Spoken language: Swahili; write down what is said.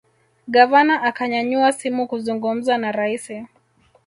gavana akanyanyua simu kuzungumza na raisi